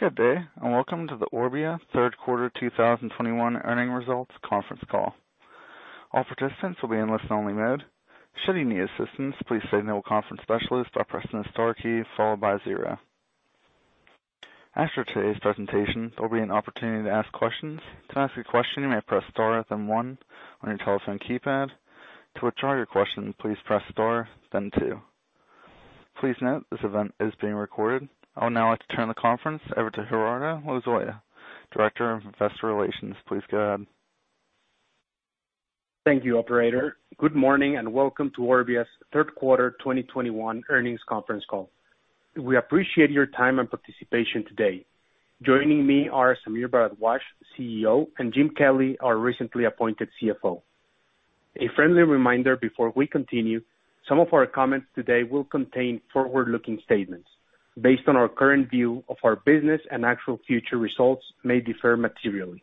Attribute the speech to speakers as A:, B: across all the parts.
A: Good day, and welcome to the Orbia Third Quarter 2021 Earnings Results Conference Call. All participants will be in listen-only mode. Should you need assistance, please signal the conference specialist by pressing the star key followed by zero. After today's presentation, there will be an opportunity to ask questions. To ask a question, you may press star, then one on your telephone keypad. To withdraw your question, please press star then two. Please note, this event is being recorded. I would now like to turn the conference over to Gerardo Lozoya, Director of Investor Relations. Please go ahead.
B: Thank you, operator. Good morning and welcome to Orbia's third quarter 2021 earnings conference call. We appreciate your time and participation today. Joining me are Sameer Bharadwaj, CEO, and Jim Kelly, our recently appointed CFO. A friendly reminder before we continue, some of our comments today will contain forward-looking statements based on our current view of our business and actual future results may differ materially.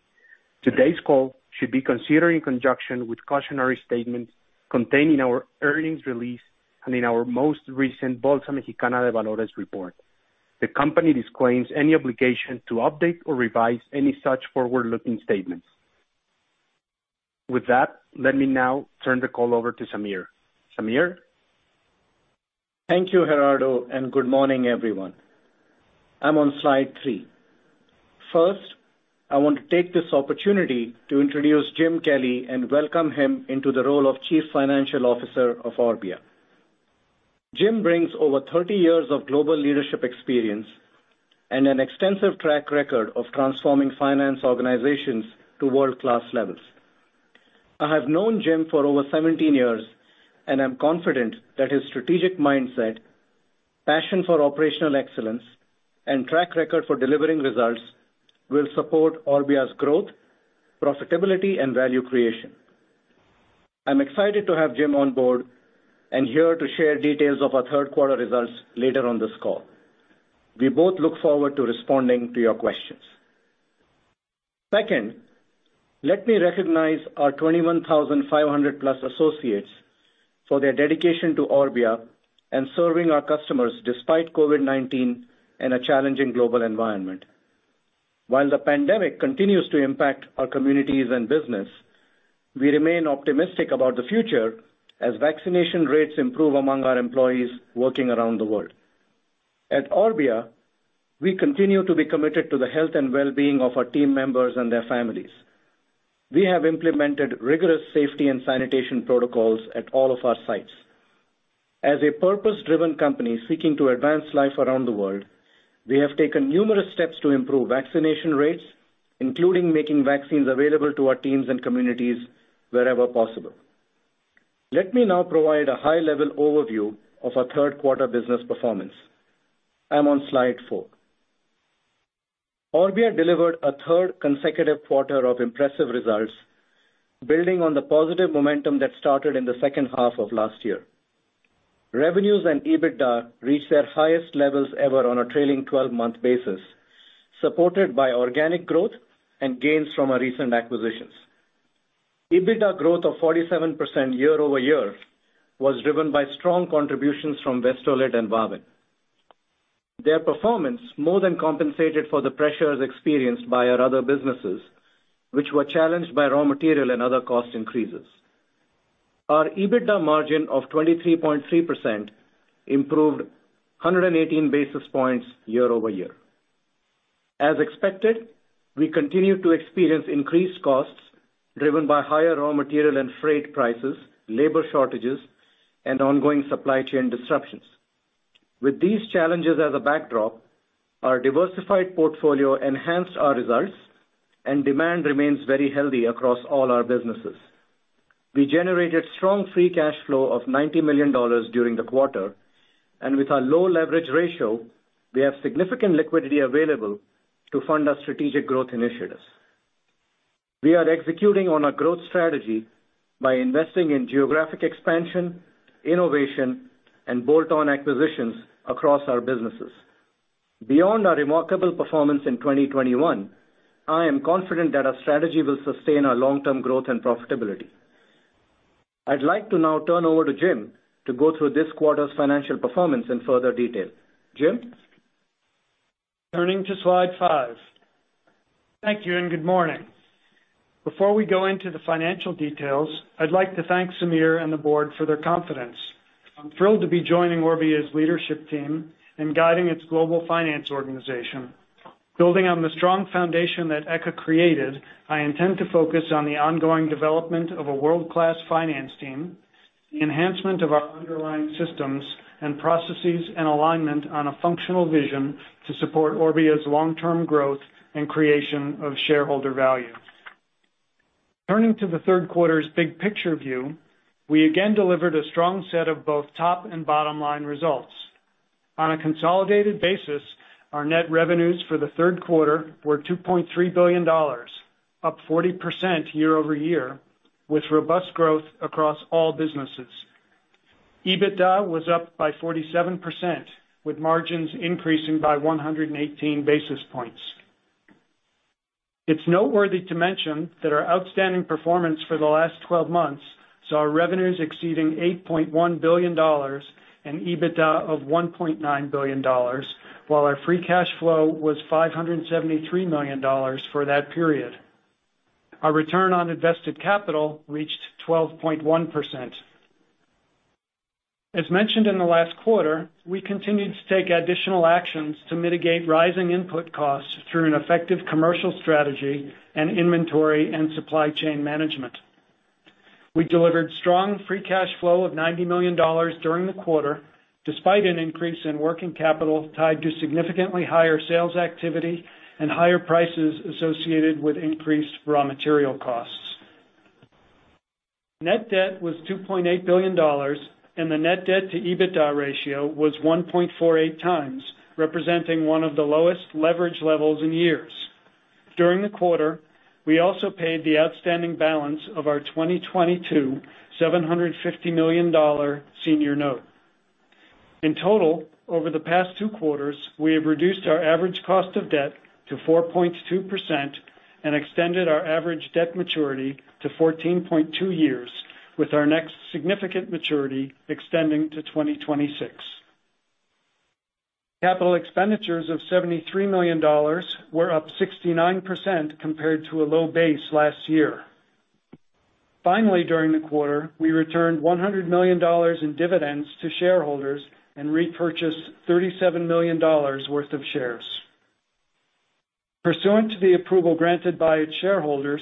B: Today's call should be considered in conjunction with cautionary statements contained in our earnings release and in our most recent Bolsa Mexicana de Valores report. The company disclaims any obligation to update or revise any such forward-looking statements. With that, let me now turn the call over to Sameer. Sameer?
C: Thank you, Gerardo, and good morning, everyone. I'm on slide three. First, I want to take this opportunity to introduce Jim Kelly and welcome him into the role of Chief Financial Officer of Orbia. Jim brings over 30 years of global leadership experience and an extensive track record of transforming finance organizations to world-class levels. I have known Jim for over 17 years, and I'm confident that his strategic mindset, passion for operational excellence, and track record for delivering results will support Orbia's growth, profitability, and value creation. I'm excited to have Jim on board and here to share details of our third quarter results later on this call. We both look forward to responding to your questions. Second, let me recognize our 21,000-plus associates for their dedication to Orbia and serving our customers despite COVID-19 in a challenging global environment. While the pandemic continues to impact our communities and business, we remain optimistic about the future as vaccination rates improve among our employees working around the world. At Orbia, we continue to be committed to the health and well-being of our team members and their families. We have implemented rigorous safety and sanitation protocols at all of our sites. As a purpose-driven company seeking to advance life around the world, we have taken numerous steps to improve vaccination rates, including making vaccines available to our teams and communities wherever possible. Let me now provide a high-level overview of our third quarter business performance. I'm on slide four. Orbia delivered a third consecutive quarter of impressive results, building on the positive momentum that started in the second half of last year. Revenues and EBITDA reached their highest levels ever on a trailing twelve-month basis, supported by organic growth and gains from our recent acquisitions. EBITDA growth of 47% year-over-year was driven by strong contributions from Vestolit and Wavin. Their performance more than compensated for the pressures experienced by our other businesses, which were challenged by raw material and other cost increases. Our EBITDA margin of 23.3% improved 118 basis points year-over-year. As expected, we continue to experience increased costs driven by higher raw material and freight prices, labor shortages, and ongoing supply chain disruptions. With these challenges as a backdrop, our diversified portfolio enhanced our results and demand remains very healthy across all our businesses. We generated strong free cash flow of $90 million during the quarter, and with our low leverage ratio, we have significant liquidity available to fund our strategic growth initiatives. We are executing on our growth strategy by investing in geographic expansion, innovation, and bolt-on acquisitions across our businesses. Beyond our remarkable performance in 2021, I am confident that our strategy will sustain our long-term growth and profitability. I'd like to now turn over to Jim to go through this quarter's financial performance in further detail. Jim?
D: Turning to slide five. Thank you and good morning. Before we go into the financial details, I'd like to thank Sameer and the board for their confidence. I'm thrilled to be joining Orbia's leadership team and guiding its global finance organization. Building on the strong foundation that Edgar created, I intend to focus on the ongoing development of a world-class finance team, the enhancement of our underlying systems and processes, and alignment on a functional vision to support Orbia's long-term growth and creation of shareholder value. Turning to the third quarter's big picture view, we again delivered a strong set of both top and bottom-line results. On a consolidated basis, our net revenues for the third quarter were $2.3 billion, up 40% year-over-year, with robust growth across all businesses. EBITDA was up by 47%, with margins increasing by 118 basis points. It's noteworthy to mention that our outstanding performance for the last 12 months saw our revenues exceeding $8.1 billion and EBITDA of $1.9 billion, while our free cash flow was $573 million for that period. Our return on invested capital reached 12.1%. As mentioned in the last quarter, we continued to take additional actions to mitigate rising input costs through an effective commercial strategy and inventory and supply chain management. We delivered strong free cash flow of $90 million during the quarter, despite an increase in working capital tied to significantly higher sales activity and higher prices associated with increased raw material costs. Net debt was $2.8 billion, and the net debt to EBITDA ratio was 1.48x, representing one of the lowest leverage levels in years. During the quarter, we also paid the outstanding balance of our 2022 $750 million senior note. In total, over the past two quarters, we have reduced our average cost of debt to 4.2% and extended our average debt maturity to 14.2 years, with our next significant maturity extending to 2026. Capital expenditures of $73 million were up 69% compared to a low base last year. Finally, during the quarter, we returned $100 million in dividends to shareholders and repurchased $37 million worth of shares. Pursuant to the approval granted by its shareholders,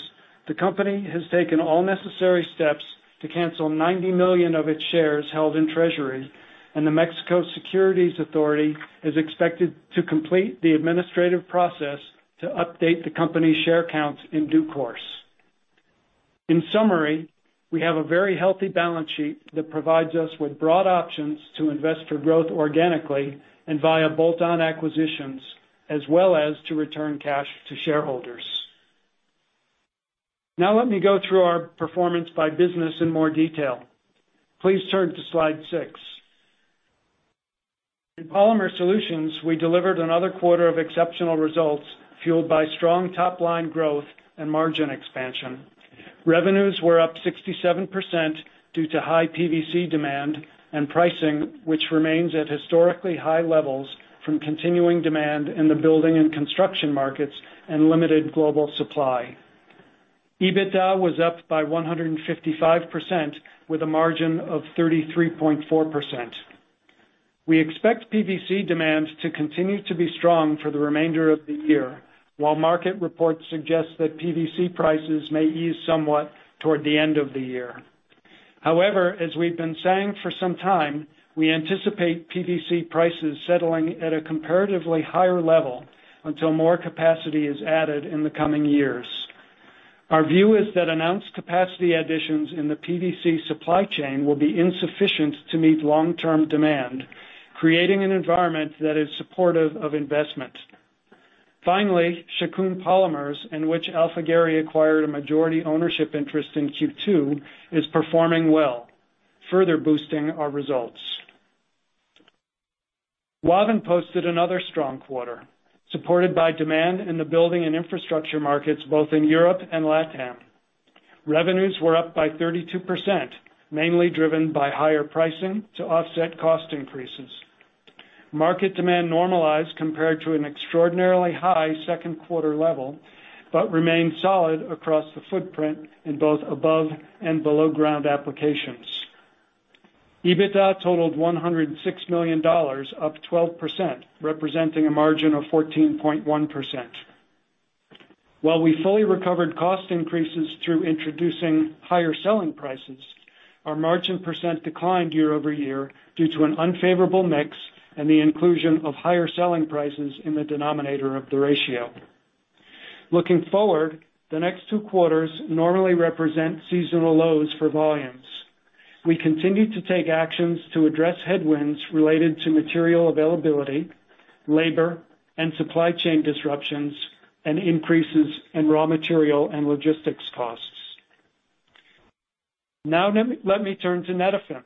D: the company has taken all necessary steps to cancel 90 million of its shares held in treasury, and the CNBV is expected to complete the administrative process to update the company's share counts in due course. In summary, we have a very healthy balance sheet that provides us with broad options to invest for growth organically and via bolt-on acquisitions, as well as to return cash to shareholders. Now let me go through our performance by business in more detail. Please turn to slide six. In Polymer Solutions, we delivered another quarter of exceptional results fueled by strong top-line growth and margin expansion. Revenues were up 67% due to high PVC demand and pricing, which remains at historically high levels from continuing demand in the building and construction markets and limited global supply. EBITDA was up by 155% with a margin of 33.4%. We expect PVC demand to continue to be strong for the remainder of the year, while market reports suggest that PVC prices may ease somewhat toward the end of the year. However, as we've been saying for some time, we anticipate PVC prices settling at a comparatively higher level until more capacity is added in the coming years. Our view is that announced capacity additions in the PVC supply chain will be insufficient to meet long-term demand, creating an environment that is supportive of investment. Finally, Shakun Polymers, in which Alphagary acquired a majority ownership interest in Q2, is performing well, further boosting our results. Wavin posted another strong quarter, supported by demand in the building and infrastructure markets, both in Europe and LatAm. Revenues were up by 32%, mainly driven by higher pricing to offset cost increases. Market demand normalized compared to an extraordinarily high second quarter level, but remained solid across the footprint in both above and below-ground applications. EBITDA totaled $106 million, up 12%, representing a margin of 14.1%. While we fully recovered cost increases through introducing higher selling prices, our margin percent declined year-over-year due to an unfavorable mix and the inclusion of higher selling prices in the denominator of the ratio. Looking forward, the next two quarters normally represent seasonal lows for volumes. We continue to take actions to address headwinds related to material availability, labor, and supply chain disruptions, and increases in raw material and logistics costs. Now let me turn to Netafim.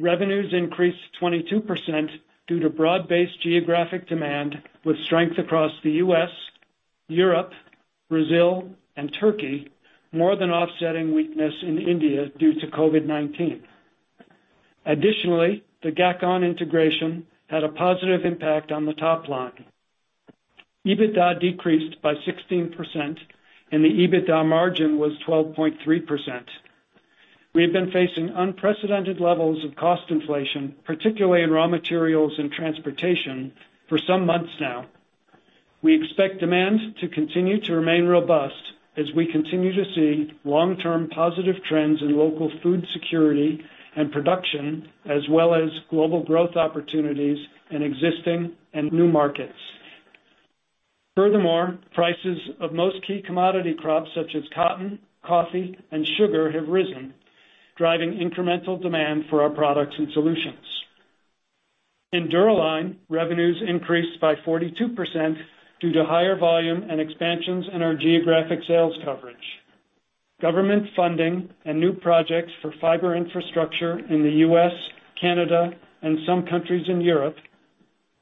D: Revenues increased 22% due to broad-based geographic demand with strength across the U.S., Europe, Brazil, and Turkey, more than offsetting weakness in India due to COVID-19. Additionally, the Gakon integration had a positive impact on the top line. EBITDA decreased by 16%, and the EBITDA margin was 12.3%. We have been facing unprecedented levels of cost inflation, particularly in raw materials and transportation, for some months now. We expect demand to continue to remain robust as we continue to see long-term positive trends in local food security and production, as well as global growth opportunities in existing and new markets. Furthermore, prices of most key commodity crops such as cotton, coffee, and sugar have risen, driving incremental demand for our products and solutions. In Dura-Line, revenues increased by 42% due to higher volume and expansions in our geographic sales coverage. Government funding and new projects for fiber infrastructure in the U.S., Canada, and some countries in Europe,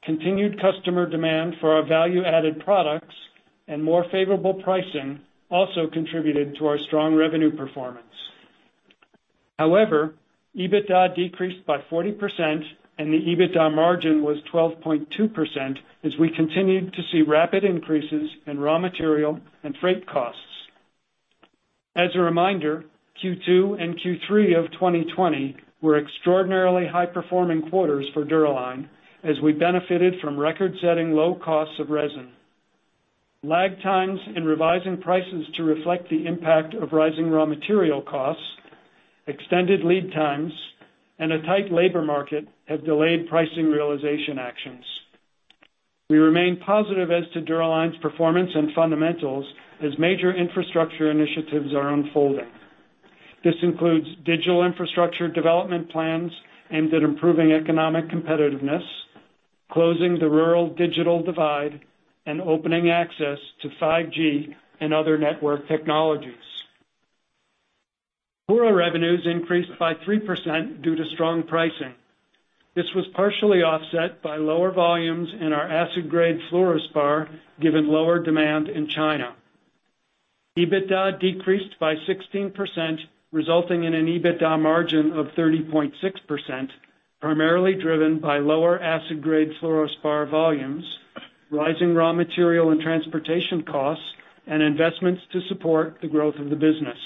D: continued customer demand for our value-added products, and more favorable pricing also contributed to our strong revenue performance. However, EBITDA decreased by 40% and the EBITDA margin was 12.2% as we continued to see rapid increases in raw material and freight costs. As a reminder, Q2 and Q3 of 2020 were extraordinarily high-performing quarters for Dura-Line as we benefited from record-setting low costs of resin. Lag times in revising prices to reflect the impact of rising raw material costs, extended lead times, and a tight labor market have delayed pricing realization actions. We remain positive as to Dura-Line's performance and fundamentals as major infrastructure initiatives are unfolding. This includes digital infrastructure development plans aimed at improving economic competitiveness, closing the rural digital divide, and opening access to 5G and other network technologies. Koura revenues increased by 3% due to strong pricing. This was partially offset by lower volumes in our acid-grade fluorspar, given lower demand in China. EBITDA decreased by 16%, resulting in an EBITDA margin of 30.6%, primarily driven by lower acid-grade fluorspar volumes, rising raw material and transportation costs, and investments to support the growth of the business.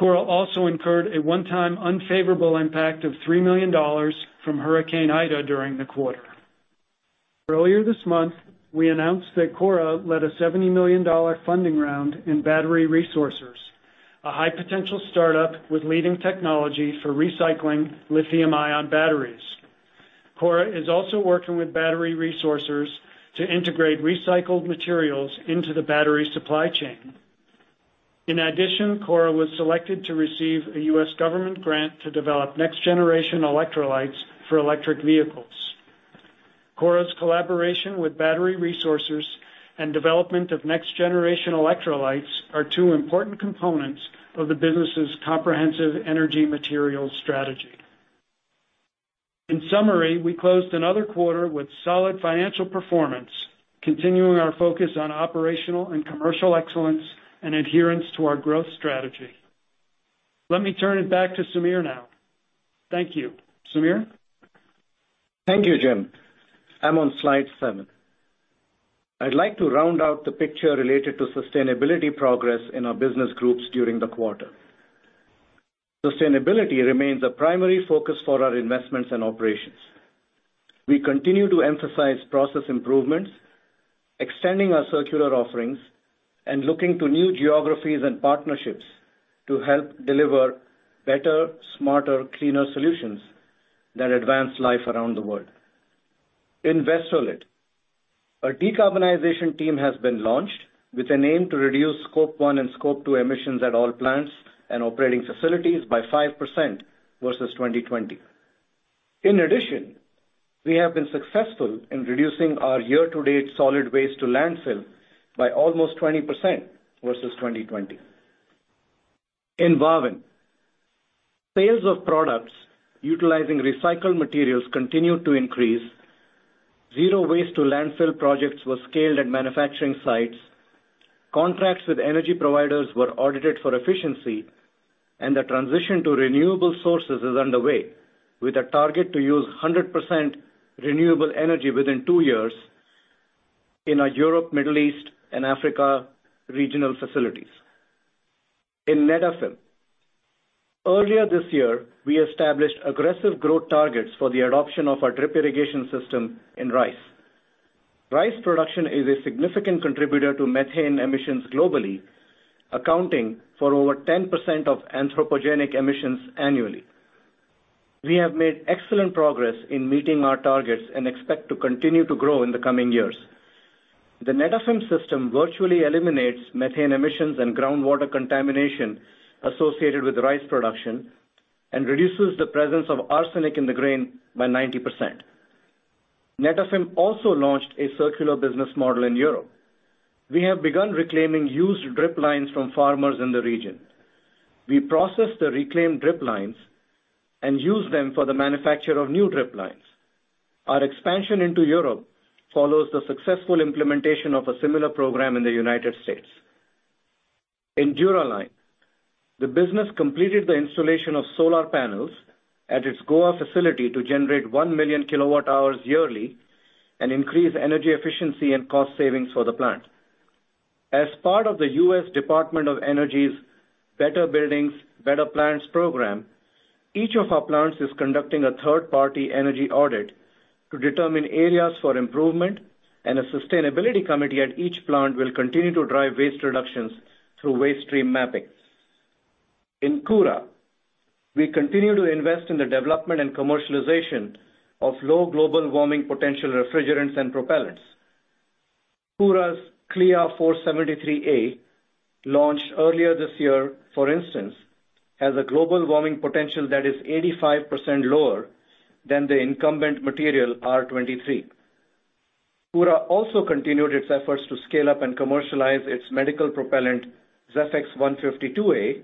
D: Koura also incurred a one-time unfavorable impact of $3 million from Hurricane Ida during the quarter. Earlier this month, we announced that Koura led a $70 million funding round in Battery Resourcers, a high-potential startup with leading technology for recycling lithium-ion batteries. Koura is also working with Battery Resourcers to integrate recycled materials into the battery supply chain. In addition, Koura was selected to receive a U.S. government grant to develop next-generation electrolytes for electric vehicles. Koura's collaboration with Battery Resourcers and development of next-generation electrolytes are two important components of the business's comprehensive energy materials strategy. In summary, we closed another quarter with solid financial performance, continuing our focus on operational and commercial excellence and adherence to our growth strategy. Let me turn it back to Sameer now. Thank you. Sameer?
C: Thank you, Jim. I'm on slide seven. I'd like to round out the picture related to sustainability progress in our business groups during the quarter. Sustainability remains a primary focus for our investments and operations. We continue to emphasize process improvements, extending our circular offerings, and looking to new geographies and partnerships to help deliver better, smarter, cleaner solutions that advance life around the world. In Vestolit, our decarbonization team has been launched with an aim to reduce Scope one and Scope two emissions at all plants and operating facilities by 5% versus 2020. In addition, we have been successful in reducing our year-to-date solid waste to landfill by almost 20% versus 2020. In Wavin, sales of products utilizing recycled materials continued to increase, zero waste to landfill projects were scaled at manufacturing sites, contracts with energy providers were audited for efficiency, and the transition to renewable sources is underway, with a target to use 100% renewable energy within two years in our Europe, Middle East, and Africa regional facilities. In Netafim, earlier this year, we established aggressive growth targets for the adoption of our drip irrigation system in rice. Rice production is a significant contributor to methane emissions globally, accounting for over 10% of anthropogenic emissions annually. We have made excellent progress in meeting our targets and expect to continue to grow in the coming years. The Netafim system virtually eliminates methane emissions and groundwater contamination associated with rice production and reduces the presence of arsenic in the grain by 90%. Netafim also launched a circular business model in Europe. We have begun reclaiming used drip lines from farmers in the region. We process the reclaimed drip lines and use them for the manufacture of new drip lines. Our expansion into Europe follows the successful implementation of a similar program in the United States. In Dura-Line, the business completed the installation of solar panels at its Goa facility to generate 1 million kWh yearly and increase energy efficiency and cost savings for the plant. As part of the U.S. Department of Energy's Better Buildings, Better Plants program, each of our plants is conducting a third-party energy audit to determine areas for improvement, and a sustainability committee at each plant will continue to drive waste reductions through waste stream mapping. In Koura, we continue to invest in the development and commercialization of low global warming potential refrigerants and propellants. Koura's Klea 473A, launched earlier this year, for instance, has a global warming potential that is 85% lower than the incumbent material R-23. Koura also continued its efforts to scale up and commercialize its medical propellant, Zephex 152a,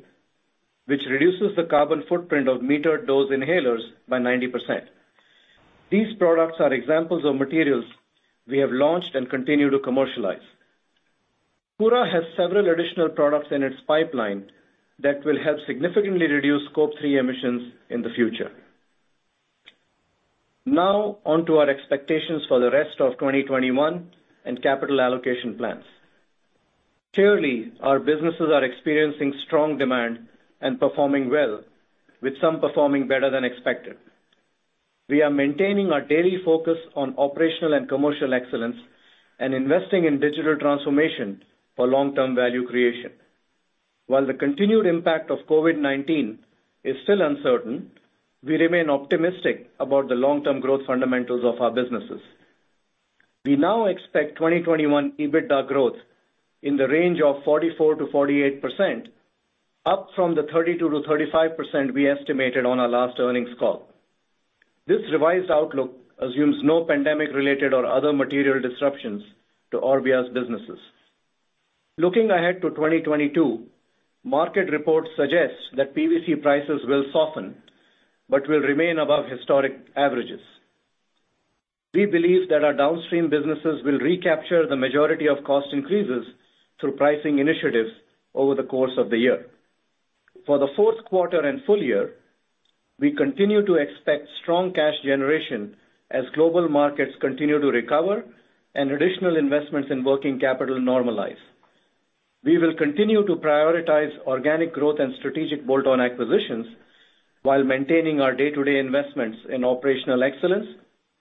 C: which reduces the carbon footprint of metered dose inhalers by 90%. These products are examples of materials we have launched and continue to commercialize. Koura has several additional products in its pipeline that will help significantly reduce Scope three emissions in the future. Now on to our expectations for the rest of 2021 and capital allocation plans. Clearly, our businesses are experiencing strong demand and performing well, with some performing better than expected. We are maintaining our daily focus on operational and commercial excellence and investing in digital transformation for long-term value creation. While the continued impact of COVID-19 is still uncertain, we remain optimistic about the long-term growth fundamentals of our businesses. We now expect 2021 EBITDA growth in the range of 44%-48%, up from the 32%-35% we estimated on our last earnings call. This revised outlook assumes no pandemic-related or other material disruptions to Orbia's businesses. Looking ahead to 2022, market reports suggest that PVC prices will soften but will remain above historic averages. We believe that our downstream businesses will recapture the majority of cost increases through pricing initiatives over the course of the year. For the fourth quarter and full year, we continue to expect strong cash generation as global markets continue to recover and additional investments in working capital normalize. We will continue to prioritize organic growth and strategic bolt-on acquisitions while maintaining our day-to-day investments in operational excellence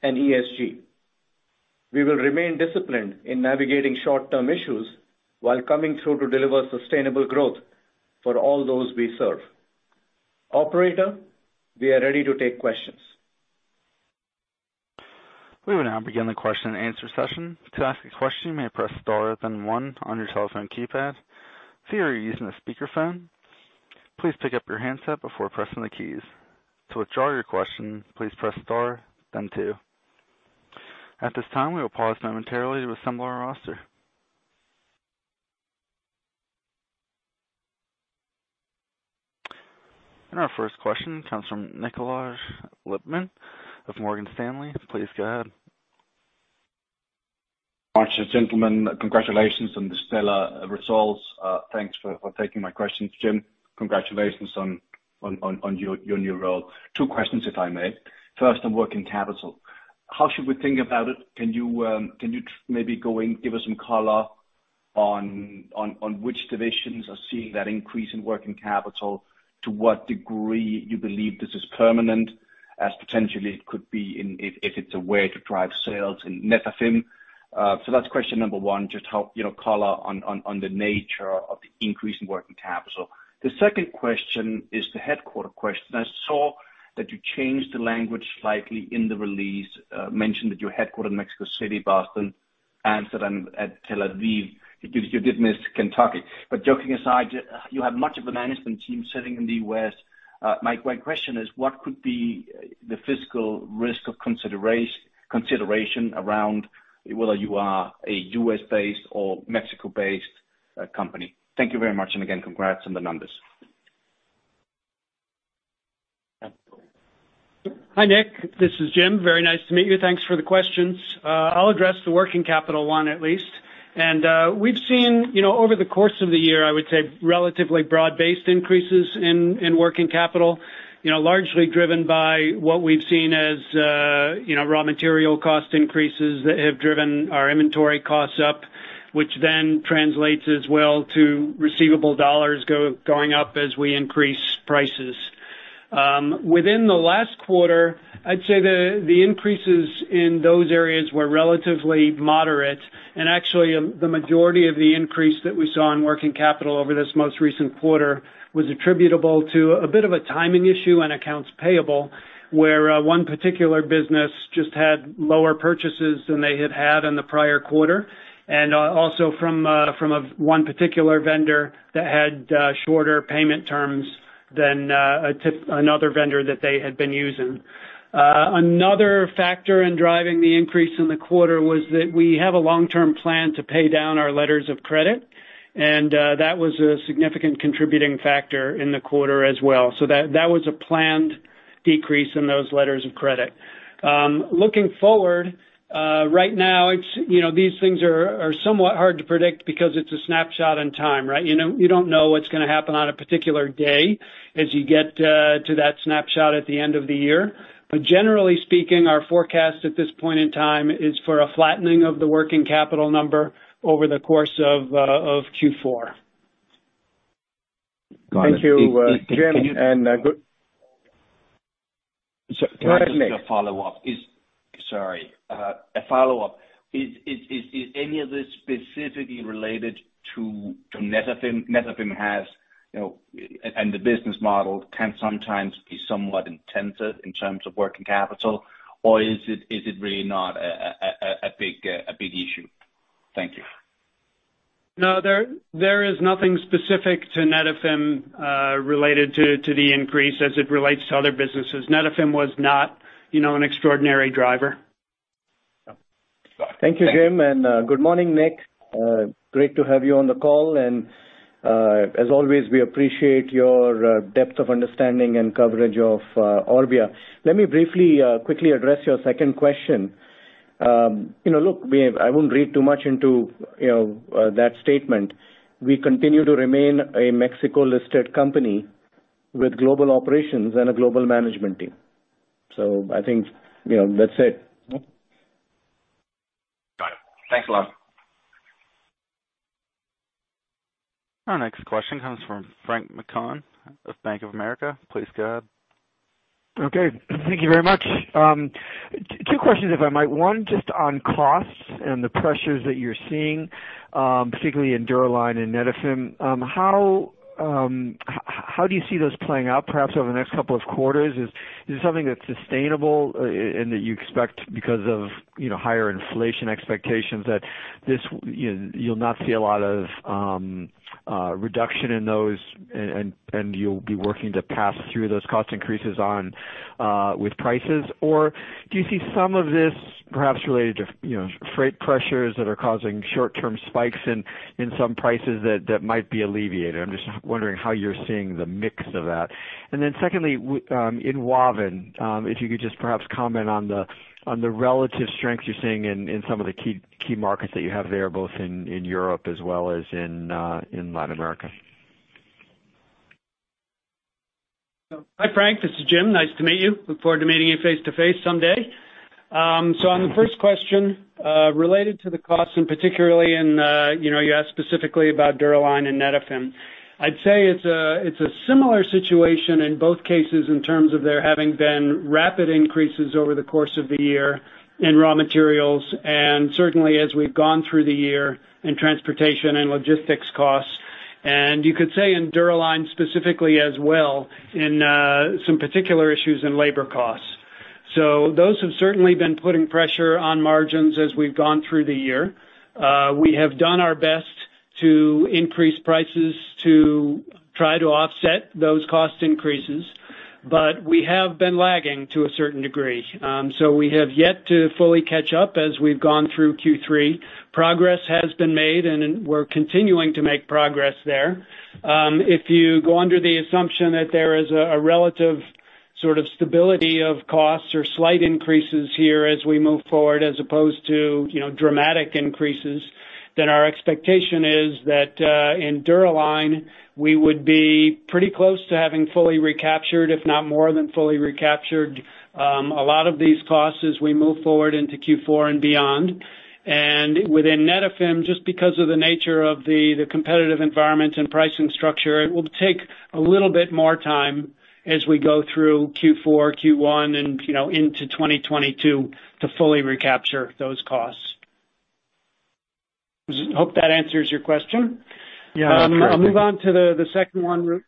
C: and ESG. We will remain disciplined in navigating short-term issues while coming through to deliver sustainable growth for all those we serve. Operator, we are ready to take questions.
A: We will now begin the question and answer session. To ask a question, you may press star, then one on your telephone keypad. If you are using a speakerphone, please pick up your handset before pressing the keys. To withdraw your question, please press star, then two. At this time, we will pause momentarily to assemble our roster. Our first question comes from Nikolaj Lippmann of Morgan Stanley. Please go ahead.
E: Thanks gentlemen. Congratulations on the stellar results. Thanks for taking my questions. Jim, congratulations on your new role. Two questions, if I may. First, on working capital, how should we think about it? Can you maybe go in, give us some color on which divisions are seeing that increase in working capital? To what degree you believe this is permanent, as potentially it could be if it's a way to drive sales in Netafim. So that's question number one, just help, you know, color on the nature of the increase in working capital. The second question is the headquarters question. I saw that you changed the language slightly in the release, mentioned that your headquarters in Mexico City, Boston, Amsterdam, and Tel Aviv, you did miss Kentucky. Joking aside, you have much of a management team sitting in the U.S. My question is, what could be the fiscal risk of consideration around whether you are a U.S.-based or Mexico-based company? Thank you very much, and again, congrats on the numbers.
D: Hi, Nick, this is Jim. Very nice to meet you. Thanks for the questions. I'll address the working capital one at least. We've seen over the course of the year, I would say, relatively broad-based increases in working capital. You know, largely driven by what we've seen as, you know, raw material cost increases that have driven our inventory costs up, which then translates as well to receivable dollars going up as we increase prices. Within the last quarter, I'd say the increases in those areas were relatively moderate, and actually the majority of the increase that we saw in working capital over this most recent quarter was attributable to a bit of a timing issue on accounts payable, where one particular business just had lower purchases than they had had in the prior quarter. Also from one particular vendor that had shorter payment terms than another vendor that they had been using. Another factor in driving the increase in the quarter was that we have a long-term plan to pay down our letters of credit, and that was a significant contributing factor in the quarter as well. That was a planned decrease in those letters of credit. Looking forward, right now, it's, you know, these things are somewhat hard to predict because it's a snapshot in time, right? You know, you don't know what's gonna happen on a particular day as you get to that snapshot at the end of the year. Generally speaking, our forecast at this point in time is for a flattening of the working capital number over the course of Q4.
E: Thank you, Jim, and good-
D: Go ahead.
E: Sorry, can I just a follow-up? Is any of this specifically related to Netafim? Netafim has, you know, and the business model can sometimes be somewhat intensive in terms of working capital, or is it really not a big issue? Thank you.
D: No, there is nothing specific to Netafim related to the increase as it relates to other businesses. Netafim was not, you know, an extraordinary driver.
C: Thank you, Jim, and good morning, Nik. Great to have you on the call. As always, we appreciate your depth of understanding and coverage of Orbia. Let me briefly quickly address your second question. You know, look, I won't read too much into, you know, that statement. We continue to remain a Mexico-listed company with global operations and a global management team. I think, you know, that's it.
E: Got it. Thanks a lot.
A: Our next question comes from Frank McGann of Bank of America. Please go ahead.
F: Okay. Thank you very much. Two questions, if I might. One, just on costs and the pressures that you're seeing, particularly in Dura-Line and Netafim. How do you see those playing out perhaps over the next couple of quarters? Is it something that's sustainable in that you expect because of, you know, higher inflation expectations that this, you know, you'll not see a lot of reduction in those and you'll be working to pass through those cost increases on with prices? Or do you see some of this perhaps related to, you know, freight pressures that are causing short-term spikes in some prices that might be alleviated? I'm just wondering how you're seeing the mix of that. Secondly, in Wavin, if you could just perhaps comment on the relative strengths you're seeing in some of the key markets that you have there, both in Europe as well as in Latin America.
D: Hi, Frank, this is Jim. Nice to meet you. Look forward to meeting you face-to-face someday. On the first question, related to the costs and particularly in, you know, you asked specifically about Dura-Line and Netafim. I'd say it's a similar situation in both cases in terms of there having been rapid increases over the course of the year in raw materials, and certainly as we've gone through the year in transportation and logistics costs. You could say in Dura-Line specifically as well in some particular issues in labor costs. Those have certainly been putting pressure on margins as we've gone through the year. We have done our best to increase prices to try to offset those cost increases, but we have been lagging to a certain degree. We have yet to fully catch up as we've gone through Q3. Progress has been made and we're continuing to make progress there. If you go under the assumption that there is a relative sort of stability of costs or slight increases here as we move forward, as opposed to, you know, dramatic increases, then our expectation is that in Dura-Line, we would be pretty close to having fully recaptured, if not more than fully recaptured, a lot of these costs as we move forward into Q4 and beyond. Within Netafim, just because of the nature of the competitive environment and pricing structure, it will take a little bit more time as we go through Q4, Q1, and, you know, into 2022 to fully recapture those costs. Hope that answers your question.
F: Yeah.
D: I'll move on to the second one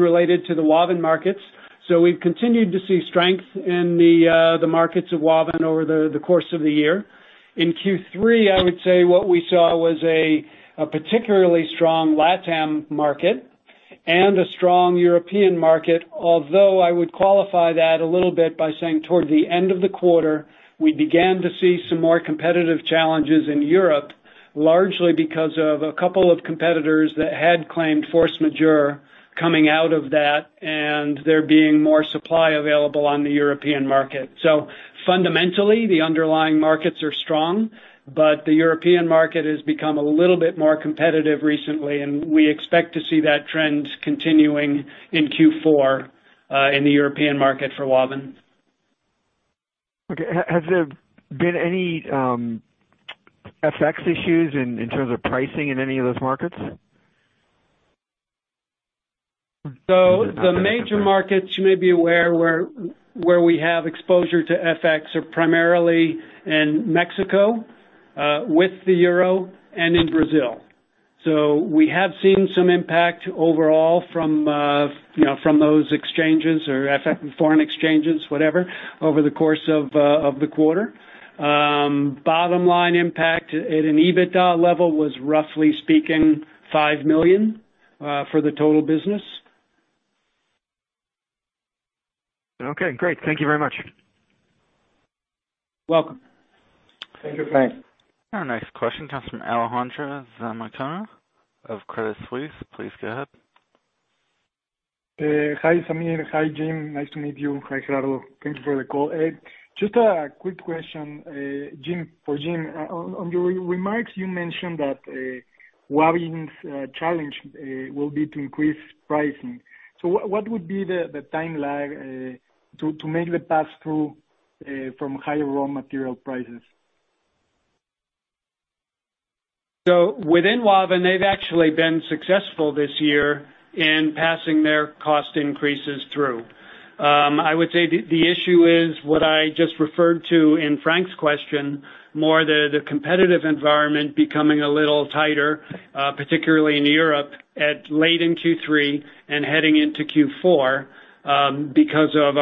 D: related to the Wavin markets. We've continued to see strength in the markets of Wavin over the course of the year. In Q3, I would say what we saw was a particularly strong LatAm market and a strong European market. Although, I would qualify that a little bit by saying toward the end of the quarter, we began to see some more competitive challenges in Europe, largely because of a couple of competitors that had claimed force majeure coming out of that and there being more supply available on the European market. Fundamentally, the underlying markets are strong, but the European market has become a little bit more competitive recently, and we expect to see that trend continuing in Q4, in the European market for Wavin.
F: Okay. Has there been any FX issues in terms of pricing in any of those markets?
D: The major markets you may be aware where we have exposure to FX are primarily in Mexico, with the euro and in Brazil. We have seen some impact overall from those exchanges or FX, foreign exchanges, whatever, over the course of the quarter. Bottom line impact at an EBITDA level was roughly speaking $5 million for the total business.
F: Okay, great. Thank you very much.
D: Welcome.
C: Thank you, Frank.
A: Our next question comes from Alejandro Zamacona of Credit Suisse. Please go ahead.
G: Hi, Sameer. Hi, Jim. Nice to meet you. Hi, Gerardo. Thank you for the call. Just a quick question, Jim. On your remarks, you mentioned that Wavin's challenge will be to increase pricing. What would be the timeline to make the pass-through from higher raw material prices?
D: Within Wavin, they've actually been successful this year in passing their cost increases through. I would say the issue is what I just referred to in Frank's question, more the competitive environment becoming a little tighter, particularly in Europe in late Q3 and heading into Q4. Because of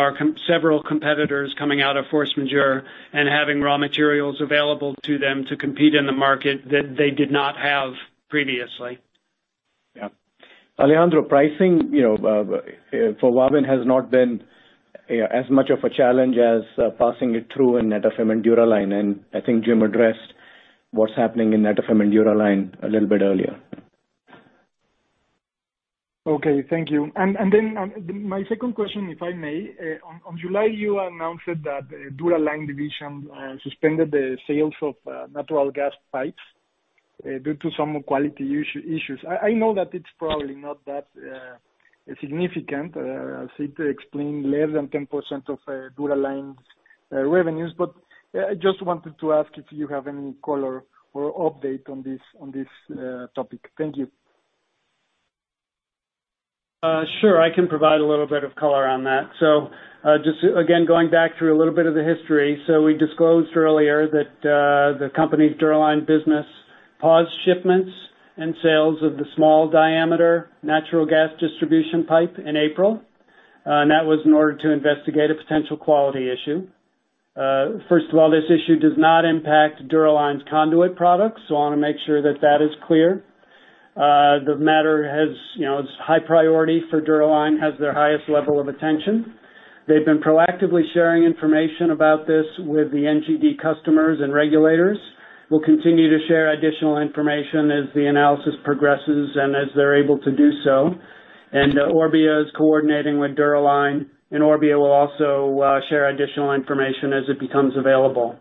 D: several competitors coming out of force majeure and having raw materials available to them to compete in the market that they did not have previously.
C: Yeah. Alejandro, pricing, you know, for Wavin has not been as much of a challenge as passing it through in Netafim and Dura-Line, and I think Jim addressed what's happening in Netafim and Dura-Line a little bit earlier.
G: Okay, thank you. Then my second question, if I may. On July, you announced that the Dura-Line division suspended the sales of natural gas pipes due to some quality issues. I know that it's probably not that significant. As you explained, less than 10% of Dura-Line's revenues, but I just wanted to ask if you have any color or update on this topic. Thank you.
D: Sure. I can provide a little bit of color on that. Just, again, going back through a little bit of the history. We disclosed earlier that the company's Dura-Line business paused shipments and sales of the small diameter natural gas distribution pipe in April, and that was in order to investigate a potential quality issue. First of all, this issue does not impact Dura-Line's conduit products, so I wanna make sure that that is clear. The matter has, you know, it's high priority for Dura-Line, has their highest level of attention. They've been proactively sharing information about this with the NGD customers and regulators. We'll continue to share additional information as the analysis progresses and as they're able to do so. Orbia is coordinating with Dura-Line, and Orbia will also share additional information as it becomes available.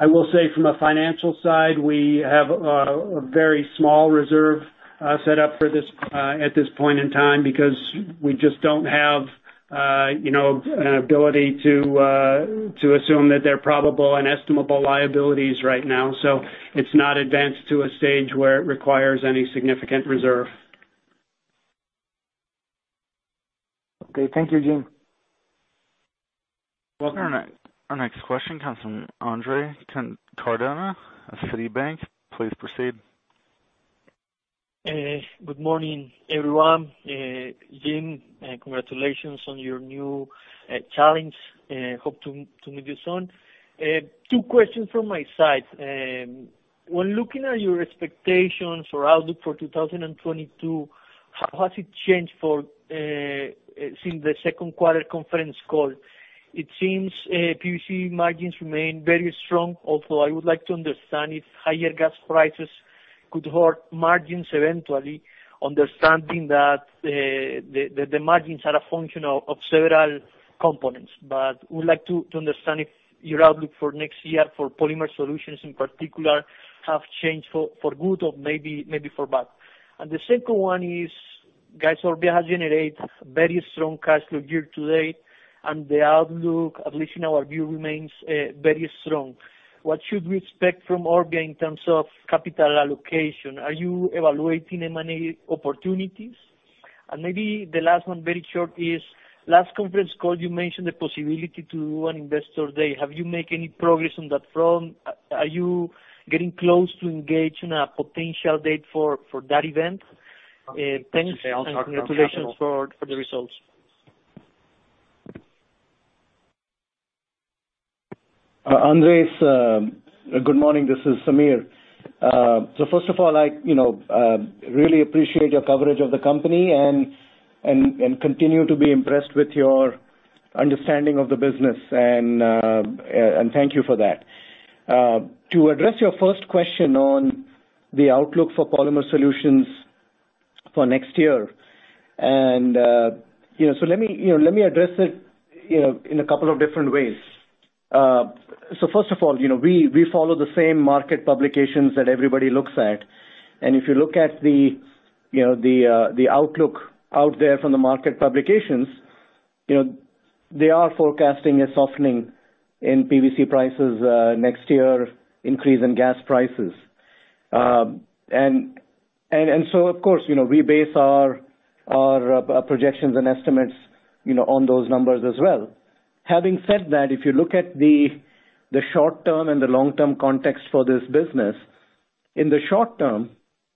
D: I will say from a financial side, we have a very small reserve set up for this at this point in time, because we just don't have you know an ability to assume that they're probable and estimable liabilities right now. It's not advanced to a stage where it requires any significant reserve.
G: Okay. Thank you, Jim.
D: Welcome.
A: Our next question comes from Andres Cardona of Citi. Please proceed.
H: Good morning, everyone. Jim, congratulations on your new challenge. Hope to meet you soon. Two questions from my side. When looking at your expectations for outlook for 2022, how has it changed since the second quarter conference call? It seems PVC margins remain very strong, although I would like to understand if higher gas prices could hurt margins eventually, understanding that the margins are a function of several components. But would like to understand if your outlook for next year for Polymer Solutions in particular have changed for good or maybe for bad. The second one is, guys, Orbia has generated very strong cash flow year to date, and the outlook, at least in our view, remains very strong. What should we expect from Orbia in terms of capital allocation? Are you evaluating M&A opportunities? Maybe the last one, very short, is last conference call you mentioned the possibility to do an investor day. Have you made any progress on that front? Are you getting close to engage in a potential date for that event? Thanks.
C: I'll talk from channel.
H: Congratulations for the results.
C: Andres, good morning, this is Sameer. First of all, I you know really appreciate your coverage of the company and continue to be impressed with your understanding of the business and thank you for that. To address your first question on the outlook for Polymer Solutions for next year, you know, let me address it you know in a couple of different ways. First of all, you know, we follow the same market publications that everybody looks at. If you look at the you know the outlook out there from the market publications, you know, they are forecasting a softening in PVC prices next year, increase in gas prices. Of course, you know, we base our projections and estimates, you know, on those numbers as well. Having said that, if you look at the short-term and the long-term context for this business, in the short term,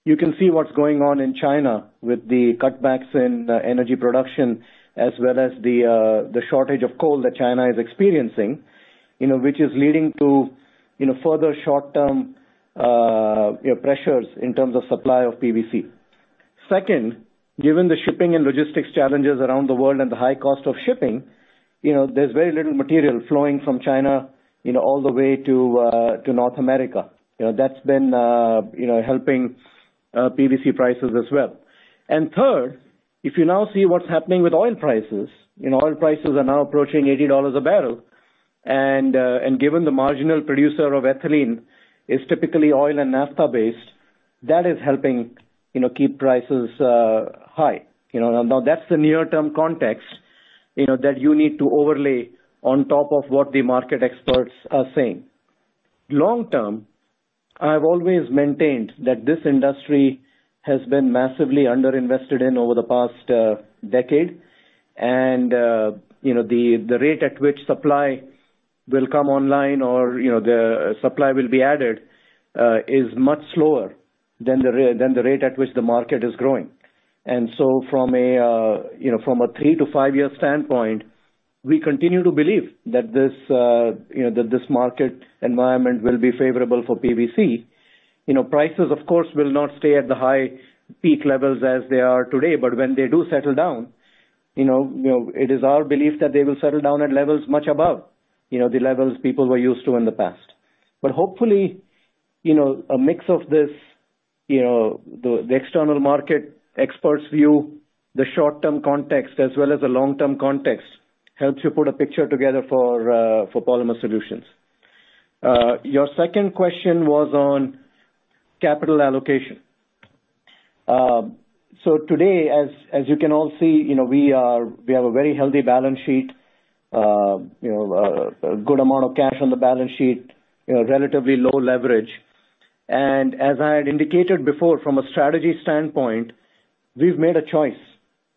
C: you can see what's going on in China with the cutbacks in energy production as well as the shortage of coal that China is experiencing, you know, which is leading to, you know, further short-term, you know, pressures in terms of supply of PVC. Second, given the shipping and logistics challenges around the world and the high cost of shipping, you know, there's very little material flowing from China, you know, all the way to North America. You know, that's been, you know, helping PVC prices as well. Third, if you now see what's happening with oil prices, you know, oil prices are now approaching $80 a barrel, and given the marginal producer of ethylene is typically oil and naphtha based, that is helping, you know, keep prices high. You know, now that's the near-term context, you know, that you need to overlay on top of what the market experts are saying. Long term, I've always maintained that this industry has been massively underinvested in over the past decade. You know, the rate at which supply will come online or, you know, the supply will be added is much slower than the rate at which the market is growing. From a three to five-year standpoint, we continue to believe that this market environment will be favorable for PVC. You know, prices, of course, will not stay at the high peak levels as they are today, but when they do settle down, you know, it is our belief that they will settle down at levels much above the levels people were used to in the past. Hopefully, you know, a mix of this, you know, the external market experts' view, the short-term context as well as the long-term context helps you put a picture together for Polymer Solutions. Your second question was on capital allocation. Today, as you can all see, you know, we have a very healthy balance sheet, you know, a good amount of cash on the balance sheet, you know, relatively low leverage. As I had indicated before, from a strategy standpoint, we've made a choice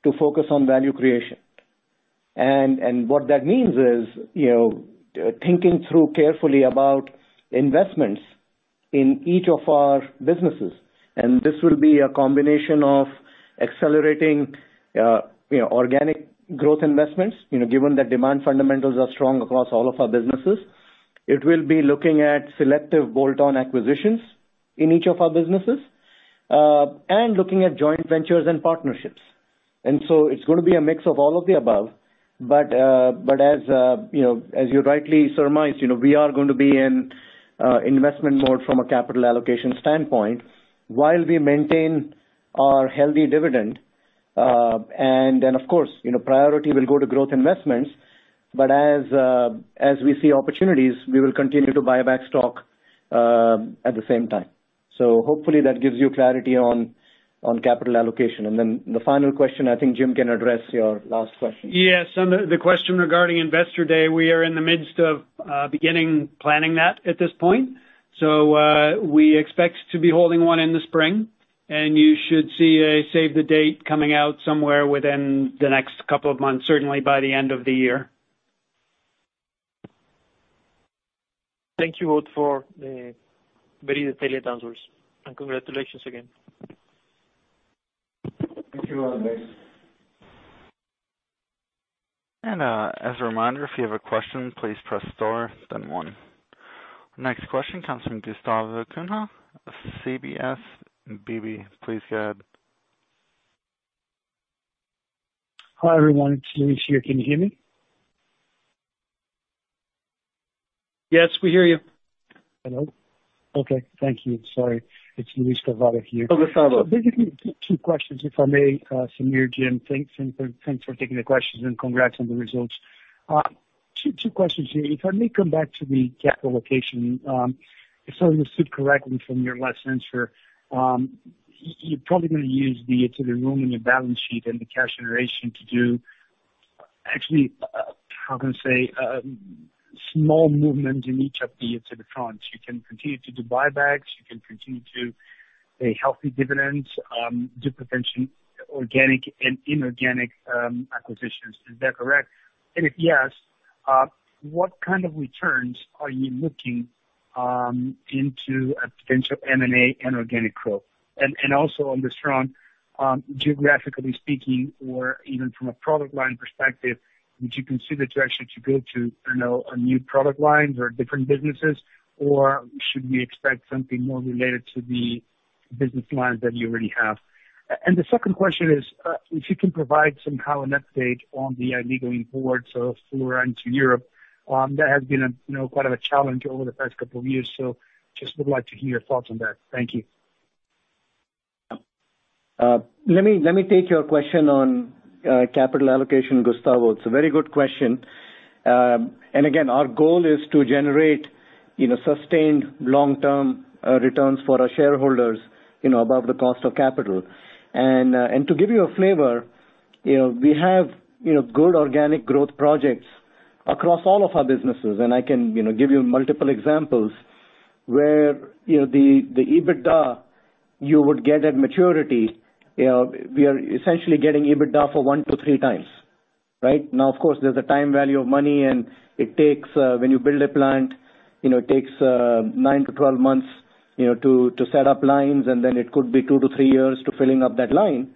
C: to focus on value creation. What that means is, you know, thinking through carefully about investments in each of our businesses. This will be a combination of accelerating, you know, organic growth investments, you know, given that demand fundamentals are strong across all of our businesses. It will be looking at selective bolt-on acquisitions in each of our businesses, and looking at joint ventures and partnerships. It's gonna be a mix of all of the above. As you rightly surmise, you know, we are gonna be in investment mode from a capital allocation standpoint while we maintain our healthy dividend. Of course, you know, priority will go to growth investments. As we see opportunities, we will continue to buy back stock at the same time. Hopefully that gives you clarity on capital allocation. The final question, I think Jim can address your last question.
D: Yes. On the question regarding Investor Day, we are in the midst of beginning planning that at this point. We expect to be holding one in the spring, and you should see a save the date coming out somewhere within the next couple of months, certainly by the end of the year.
H: Thank you both for the very detailed answers. Congratulations again.
C: Thank you, Andres.
A: As a reminder, if you have a question, please press star, then one. Next question comes from Gustavo Cunha, UBS. Please go ahead.
I: Hi, everyone. It's Luiz here. Can you hear me?
D: Yes, we hear you.
I: Hello. Okay. Thank you. Sorry. It's Luiz Carvalho here.
D: Carvalho.
I: Basically two questions, if I may, Sameer, Jim. Thanks and thanks for taking the questions and congrats on the results. Two questions to you. If I may come back to the capital allocation. If I understood correctly from your last answer, you're probably gonna use the, sort of, room in your balance sheet and the cash generation to do actually, how can I say, small movement in each of the, sort of, fronts. You can continue to do buybacks, you can continue to pay healthy dividends, do potential organic and inorganic acquisitions. Is that correct? And if yes, what kind of returns are you looking into a potential M&A and organic growth? Also on this front, geographically speaking, or even from a product line perspective, would you consider actually to go to, you know, new product lines or different businesses? Or should we expect something more related to the business lines that you already have? The second question is, if you can provide somehow an update on the illegal imports of fluorspar to Europe, that has been quite a challenge over the past couple of years. Just would like to hear your thoughts on that. Thank you.
C: Let me take your question on capital allocation, Gustavo. It's a very good question. Again, our goal is to generate, you know, sustained long-term returns for our shareholders, you know, above the cost of capital. To give you a flavor, you know, we have, you know, good organic growth projects across all of our businesses, and I can, you know, give you multiple examples where, you know, the EBITDA you would get at maturity, you know, we are essentially getting EBITDA for one to three times. Right? Now, of course, there's a time value of money, and it takes, when you build a plant, you know, it takes nine-12 months, you know, to set up lines, and then it could be two-three years to filling up that line.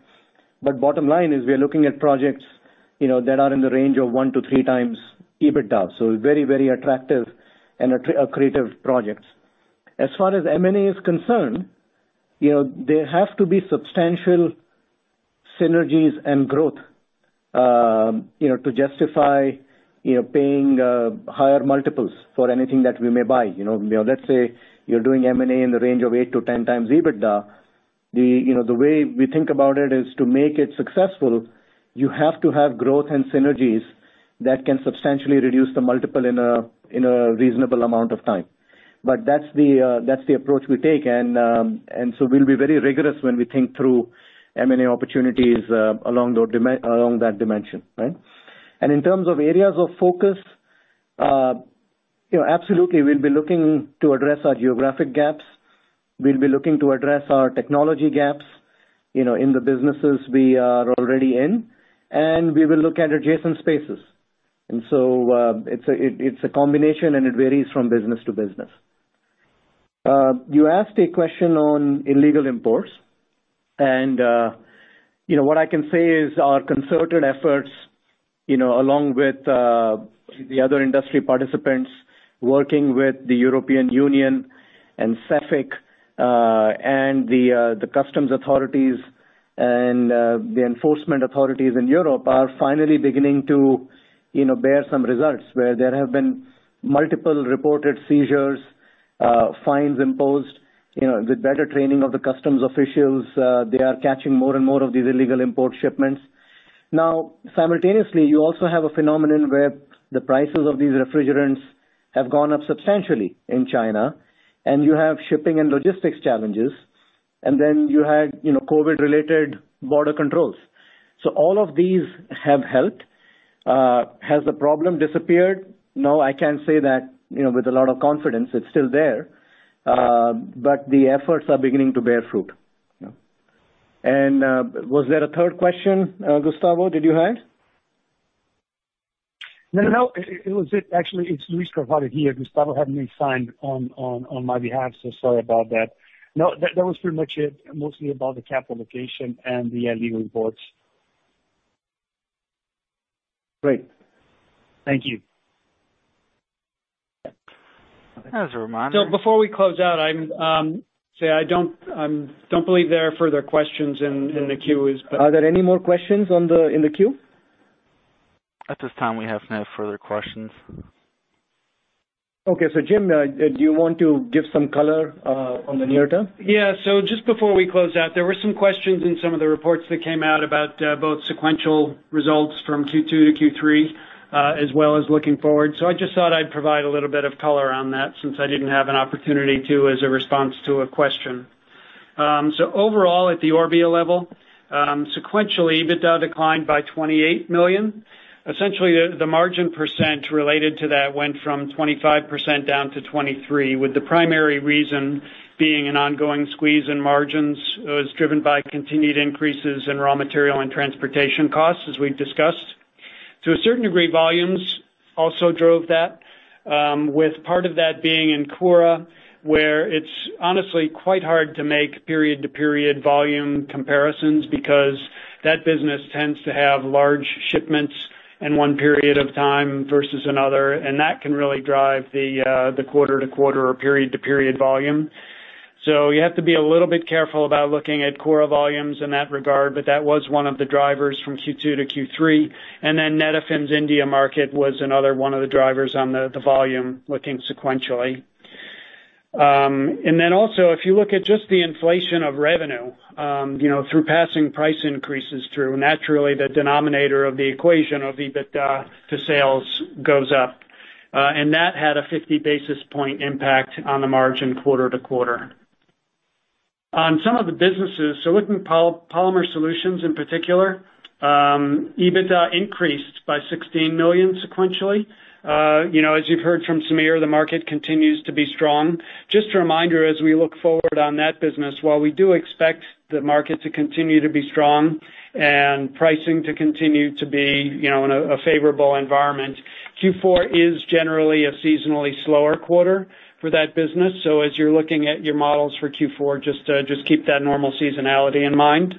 C: Bottom line is, we are looking at projects, you know, that are in the range of 1-3x EBITDA, so very, very attractive and creative projects. As far as M&A is concerned, you know, there have to be substantial synergies and growth, you know, to justify, you know, paying higher multiples for anything that we may buy, you know? You know, let's say you're doing M&A in the range of 8-10x EBITDA. The way we think about it is to make it successful, you have to have growth and synergies that can substantially reduce the multiple in a reasonable amount of time. But that's the approach we take. We'll be very rigorous when we think through M&A opportunities along that dimension, right? In terms of areas of focus, you know, absolutely, we'll be looking to address our geographic gaps. We'll be looking to address our technology gaps, you know, in the businesses we are already in, and we will look at adjacent spaces. It's a combination, and it varies from business to business. You asked a question on illegal imports. What I can say is our concerted efforts, you know, along with the other industry participants working with the European Union and Cefic, and the customs authorities and the enforcement authorities in Europe are finally beginning to, you know, bear some results, where there have been multiple reported seizures, fines imposed. The better training of the customs officials, they are catching more and more of these illegal import shipments. Now, simultaneously, you also have a phenomenon where the prices of these refrigerants have gone up substantially in China, and you have shipping and logistics challenges, and then you had, you know, COVID-related border controls. All of these have helped. Has the problem disappeared? No, I can't say that, you know, with a lot of confidence. It's still there. But the efforts are beginning to bear fruit. Was there a third question, Gustavo, that you had?
I: Actually, it's Luiz Carvalho here. Gustavo had me signed on my behalf, so sorry about that. No, that was pretty much it, mostly about the capital allocation and the illegal imports.
C: Great. Thank you.
A: As a reminder.
D: Before we close out, I don't believe there are further questions in the queue.
C: Are there any more questions in the queue?
A: At this time, we have no further questions.
C: Okay. Jim, do you want to give some color on the near term?
D: Yeah. Just before we close out, there were some questions in some of the reports that came out about both sequential results from Q2 to Q3, as well as looking forward. I just thought I'd provide a little bit of color on that since I didn't have an opportunity to as a response to a question. Overall, at the Orbia level, sequentially, EBITDA declined by 28 million. Essentially, the margin percent related to that went from 25% down to 23%, with the primary reason being an ongoing squeeze in margins was driven by continued increases in raw material and transportation costs, as we've discussed. To a certain degree, volumes also drove that, with part of that being in Koura, where it's honestly quite hard to make period-to-period volume comparisons because that business tends to have large shipments in one period of time versus another, and that can really drive the quarter-to-quarter or period-to-period volume. You have to be a little bit careful about looking at Koura volumes in that regard, but that was one of the drivers from Q2 to Q3. Netafim's India market was another one of the drivers on the volume looking sequentially. If you look at just the inflation of revenue, you know, through passing price increases through, naturally, the denominator of the equation of EBITDA to sales goes up. That had a 50 basis point impact on the margin quarter to quarter. On some of the businesses, looking at Polymer Solutions in particular, EBITDA increased by $16 million sequentially. You know, as you've heard from Sameer, the market continues to be strong. Just a reminder as we look forward on that business, while we do expect the market to continue to be strong and pricing to continue to be, you know, in a favorable environment, Q4 is generally a seasonally slower quarter for that business. As you're looking at your models for Q4, just keep that normal seasonality in mind.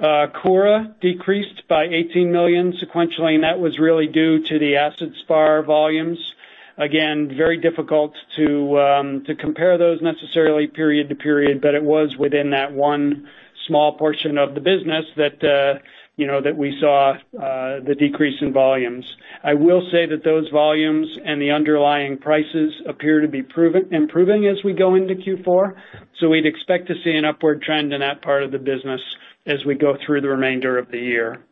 D: Koura decreased by $18 million sequentially, and that was really due to the acid-grade fluorspar volumes. Again, very difficult to compare those necessarily period to period, but it was within that one small portion of the business that, you know, that we saw, the decrease in volumes. I will say that those volumes and the underlying prices appear to be improving as we go into Q4, so we'd expect to see an upward trend in that part of the business as we go through the remainder of the year.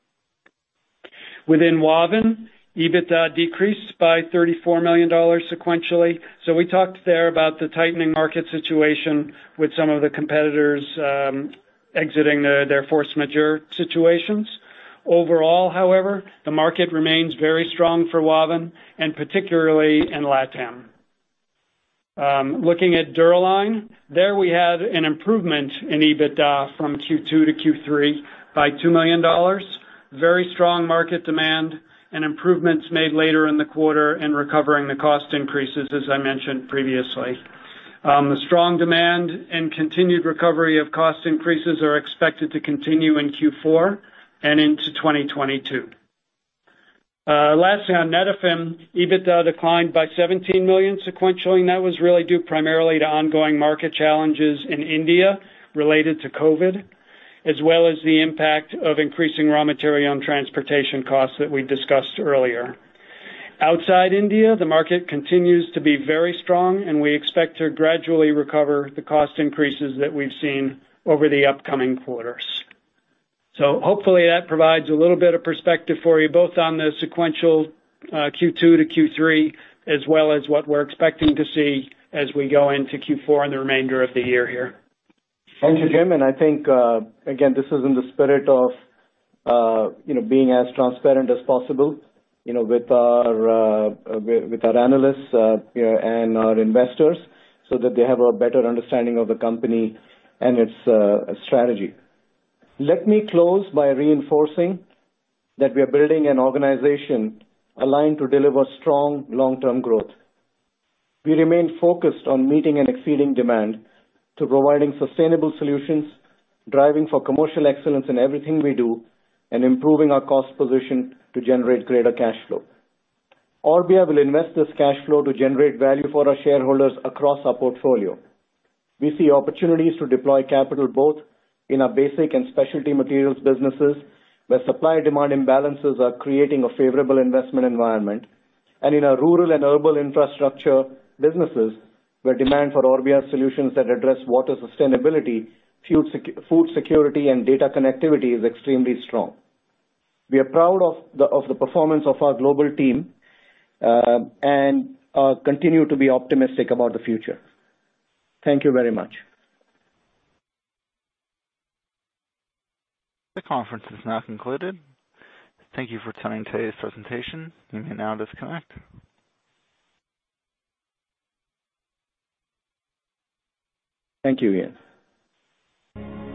D: Within Wavin, EBITDA decreased by $34 million sequentially. We talked there about the tightening market situation with some of the competitors exiting their force majeure situations. Overall, however, the market remains very strong for Wavin, and particularly in LatAm. Looking at Dura-Line, there we had an improvement in EBITDA from Q2 to Q3 by $2 million. Very strong market demand and improvements made later in the quarter in recovering the cost increases, as I mentioned previously. The strong demand and continued recovery of cost increases are expected to continue in Q4 and into 2022. Lastly on Netafim, EBITDA declined by $17 million sequentially, and that was really due primarily to ongoing market challenges in India related to COVID, as well as the impact of increasing raw material and transportation costs that we discussed earlier. Outside India, the market continues to be very strong, and we expect to gradually recover the cost increases that we've seen over the upcoming quarters. Hopefully that provides a little bit of perspective for you, both on the sequential, Q2 to Q3, as well as what we're expecting to see as we go into Q4 and the remainder of the year here.
C: Thank you, Jim, and I think, again, this is in the spirit of, you know, being as transparent as possible, you know, with our analysts here, and our investors, so that they have a better understanding of the company and its strategy. Let me close by reinforcing that we are building an organization aligned to deliver strong long-term growth. We remain focused on meeting and exceeding demand to providing sustainable solutions, driving for commercial excellence in everything we do, and improving our cost position to generate greater cash flow. Orbia will invest this cash flow to generate value for our shareholders across our portfolio. We see opportunities to deploy capital both in our basic and specialty materials businesses, where supply-demand imbalances are creating a favorable investment environment, and in our rural and urban infrastructure businesses, where demand for Orbia solutions that address water sustainability, food security, and data connectivity is extremely strong. We are proud of the performance of our global team, and continue to be optimistic about the future. Thank you very much.
A: The conference is now concluded. Thank you for attending today's presentation. You may now disconnect.
C: Thank you, Ian.